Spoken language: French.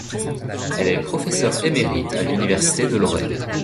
Elle est professeur émérite à l'université de Lorraine.